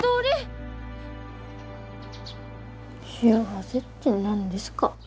幸せって何ですか？